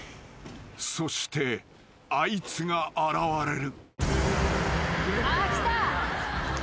［そしてあいつが現れる］